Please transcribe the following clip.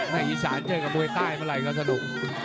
หน้าอีสานเช่นกับมุยใต้เมื่อไหร่ก็สนุก